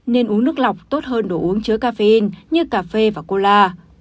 nên uống nước lọc tốt hơn đồ uống chứa caffeine như cà phê và cola